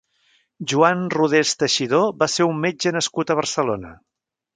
Joan Rodés Teixidor va ser un metge nascut a Barcelona.